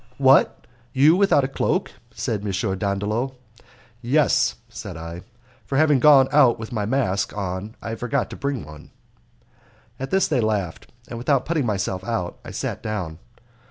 "What! you without a cloak!" said M. Dandolo. "Yes," said I; "for having gone out with my mask on I forgot to bring one." At this they laughed, and, without putting myself out, I sat down.